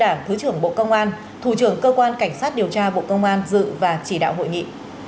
đảng thứ trưởng bộ công an thủ trưởng cơ quan cảnh sát điều tra bộ công an dự và chỉ đạo hội nghị